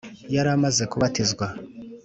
Yari amaze kubatizwa.